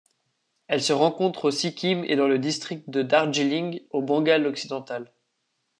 Elle se rencontre au Sikkim et dans le district de Darjeeling au Bengale-Occidental.